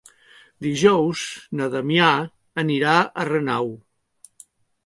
Dijous na Damià anirà a Renau.